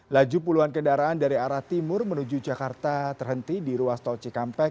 laju puluhan kendaraan dari arah timur menuju jakarta terhenti di ruas tol cikampek